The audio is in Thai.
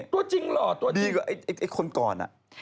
ตัวจริงหรอตัวจริงดีกว่าไอ้คนก่อนน่ะ